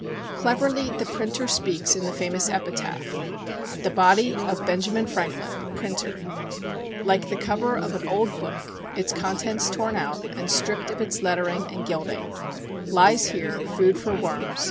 Cleverly the printer speaks in the famous epitaph: The Body of Benjamin Franklin Printer (Like the cover of an old book Its contents torn out And stript of its lettering and gilding) Lies here, food for worms.